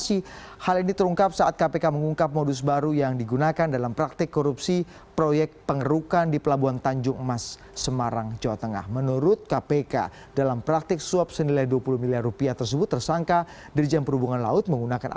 dibandingkan dengan upaya mendorong kemampuan penyelidikan penyelidikan dan penuntutan kpk sama sekali tidak berpedoman pada kuhab dan mengabaikan